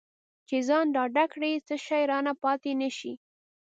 چې ځان ډاډه کړي څه شی رانه پاتې نه شي.